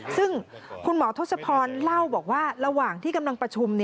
ซึ่งคุณหมอทศพรเล่าบอกว่าระหว่างที่กำลังประชุม